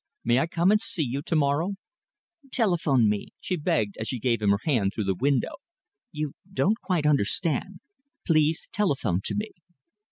May I come and see you to morrow?" "Telephone me," she begged, as she gave him her hand through the window. "You don't quite understand. Please telephone to me."